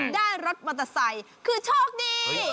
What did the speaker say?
ได้รถมัตตาไซคือโชคดี